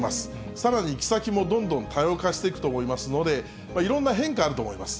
さらに行き先もどんどん多様化していくと思いますので、いろんな変化、あると思います。